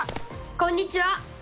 こんにちは！